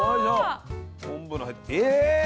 え